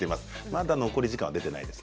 まだ残り時間は出ていません